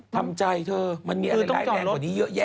ทำใจเถอะมันมีอันไลน์แรงกว่านี้เยอะแยะ